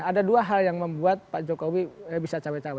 ada dua hal yang membuat pak jokowi bisa cawe cawe